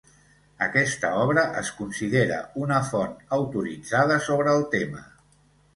Aquesta obra es considera una font autoritzada sobre el tema.